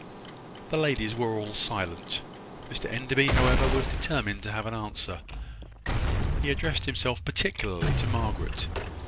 The ladies were all silent. Mr Enderby, however, was determined to have an answer. He addressed himself particularly to Margaret.